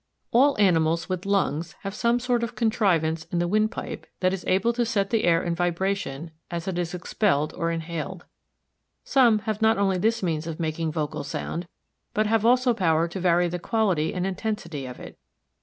All animals with lungs have some sort of contrivance in the windpipe that is able to set the air in vibration as it is expelled or inhaled. Some have not only this means of making vocal sound, but have also power to vary the quality and intensity of it.